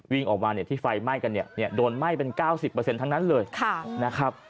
วิ่งออกมาที่ไฟไหม้กันเนี่ยโดนไหม้เป็น๙๐ทั้งนั้นเลยนะครับ